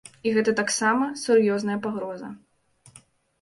І гэта таксама сур'ёзная пагроза.